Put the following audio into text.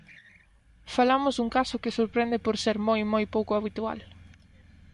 Falamos dun caso que sorprende por ser moi, moi pouco habitual.